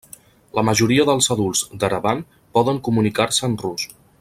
La majoria dels adults d'Erevan poden comunicar-se en rus.